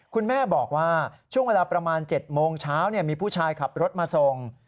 คุณแม่บอกว่าช่วงเวลาประมาณ๗โมงเช้ามีผู้ชายขับรถมาส่ง